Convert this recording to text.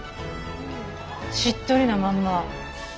しっとりなまんま。